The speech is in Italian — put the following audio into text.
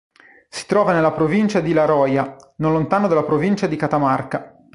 Si trova nella provincia di La Rioja non lontano dalla provincia di Catamarca.